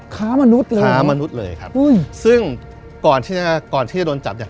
ค้ามนุษย์เลยครับค้ามนุษย์เลยครับซึ่งก่อนที่จะโดนจับเนี่ย